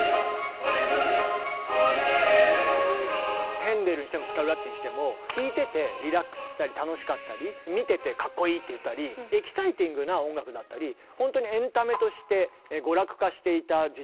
ヘンデルにしてもスカルラッティにしても聴いててリラックスしたり楽しかったり見ててかっこいいって言ったりエキサイティングな音楽だったりほんとにエンタメとして娯楽化していた時代。